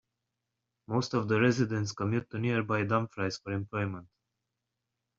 Most of the residents commute to nearby Dumfries for employment.